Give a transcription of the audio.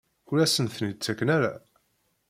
Ur asen-ten-id-ttaken ara?